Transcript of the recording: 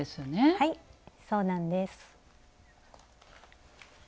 はいそうなんです。